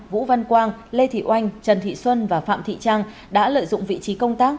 vũ văn quang lê thị oanh trần thị xuân và phạm thị trang đã lợi dụng vị trí công tác